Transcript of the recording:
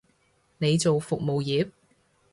你做服務業？